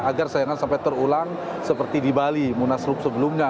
agar sayangnya sampai terulang seperti di bali munasrup sebelumnya